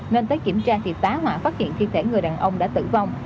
nên tới kiểm tra thì tá họa phát hiện thiết thể người đàn ông đã tử vong